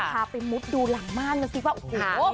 จะพาไปมุดดุหลังม่านกันซิว่า